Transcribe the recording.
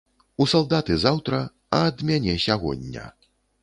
У салдаты заўтра, а ад мяне сягоння.